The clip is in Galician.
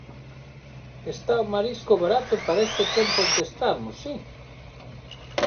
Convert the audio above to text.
Está o marisco barato para este tempo en que estamos, si.